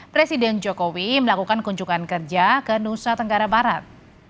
presiden jokowi melakukan kunjungan kerja ke nusa tenggara barat